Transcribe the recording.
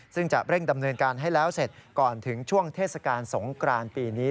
ซึ่งจะเร่งดำเนินการให้แล้วเสร็จก่อนถึงช่วงเทศกาลสงกรานปีนี้